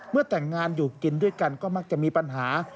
แต่งงานอยู่กินด้วยกันก็มักจะมีปัญหา